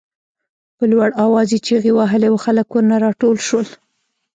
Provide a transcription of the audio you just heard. په لوړ آواز یې چغې وهلې او خلک ورنه راټول شول.